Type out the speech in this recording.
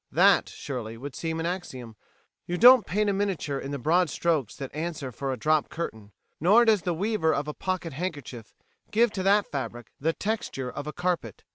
That, surely, would seem an axiom. You don't paint a miniature in the broad strokes that answer for a drop curtain, nor does the weaver of a pocket handkerchief give to that fabric the texture of a carpet.